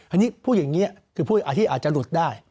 อันนี้พูดอย่างนี้คือผู้ที่อาจจะหลุดได้